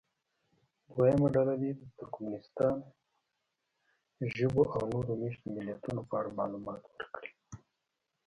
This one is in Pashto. دویمه ډله دې د ترکمنستان ژبو او نورو مېشتو ملیتونو په اړه معلومات ورکړي.